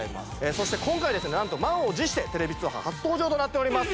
そして今回ですね何と満を持してテレビ通販初登場となっております